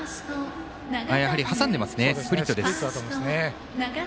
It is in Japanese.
挟んでますね、スプリットです。